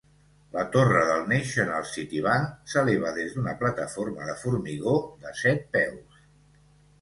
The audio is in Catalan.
La torre del National City Bank s'eleva des de una plataforma de formigó de set peus.